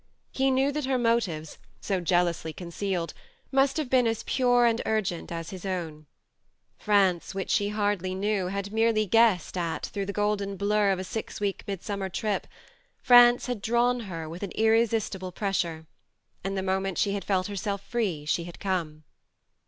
He knew that her motives, so jealously concealed, must have been as pure and urgent as his own. France, which she hardly knew, had merely guessed at through the golden blur of a six weeks' midsummer trip, France had drawn her with an irresistible pressure ; and the moment she had felt herself free she had come.